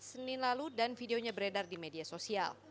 senin lalu dan videonya beredar di media sosial